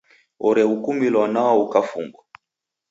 Orehukumilwa nwao ukafungwa.